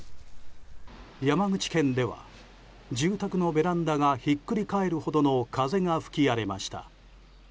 山口県では住宅のベランダがひっくり返るほどの風が吹き荒れました。